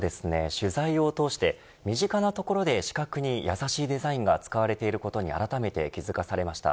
取材を通して身近なところで視覚に優しいデザインが使われていることにあらためて気付かされました。